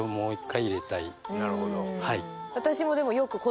なるほど。